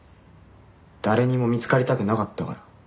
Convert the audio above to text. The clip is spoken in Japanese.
誰にも見つかりたくなかったから。